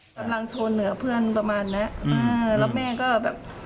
กำลังโชว์เหนือเพื่อนประมาณเนี้ยอ่าแล้วแม่ก็แบบ